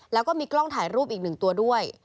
แล้วก็มีกล้องถ่ายรูปอีกหนึ่งตัวด้วย